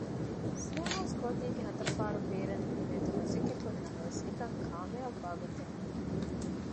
ސުނޯހައުސް ގޯތީގެ ހަތަރު ފާރުން ބޭރަށް ނުކުމެވޭތޯ މަސައްކަތްކުރި ނަމަވެސް އެކަން ކާމިޔާބުވާ ގޮތެއް ނުވި